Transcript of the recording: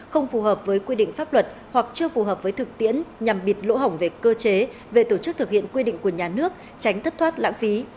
không phù hợp với quy định pháp luật hoặc chưa phù hợp với thực tiễn nhằm bịt lỗ hỏng về cơ chế về tổ chức thực hiện quy định của nhà nước tránh thất thoát lãng phí